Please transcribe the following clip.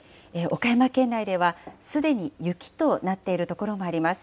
岡山県内では、すでに雪となっている所もあります。